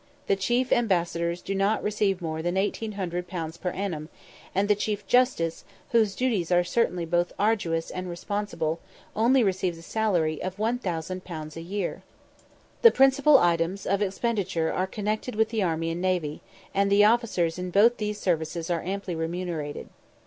The chief ambassadors do not receive more than 1800_l._ per annum, and the chief justice, whose duties are certainly both arduous and responsible, only receives a salary of 1000_l._ a year. The principal items of expenditure are connected with the army and navy, and the officers in both these services are amply remunerated.